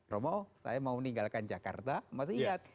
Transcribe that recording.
romo saya mau meninggalkan jakarta masih ingat